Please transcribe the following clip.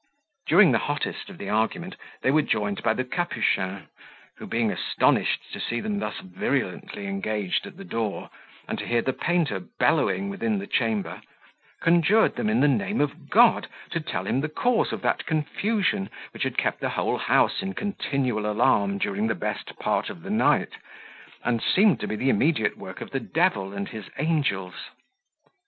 During the hottest of the argument, they were joined by the Capuchin, who being astonished to see them thus virulently engaged at the door, and to hear the painter bellowing within the chamber, conjured them, in the name of God, to tell him the cause of that confusion which had kept the whole house in continual alarm during the best part of the night, and seemed to be the immediate work of the devil and his angels.